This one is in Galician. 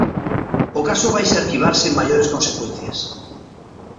O caso vaise arquivar sen maiores consecuencias.